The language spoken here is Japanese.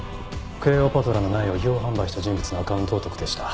クレオパトラの苗を違法販売した人物のアカウントを特定した。